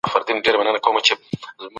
مخکنی مغزي برخه کنټرول هڅوي.